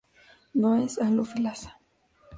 No es halófilas.